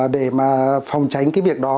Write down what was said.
để phòng tránh cái việc đó